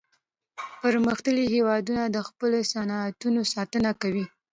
پرمختللي هیوادونه د خپلو صنعتونو ساتنه کوي